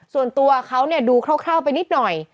ส่วนตัวเขาดูคร่าวไปนิดหน่อย